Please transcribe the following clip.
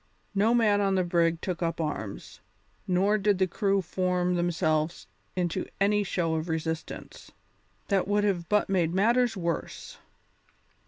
No man on the brig took up arms, nor did the crew form themselves into any show of resistance; that would have but made matters worse.